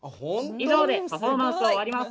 以上でパフォーマンスを終わります。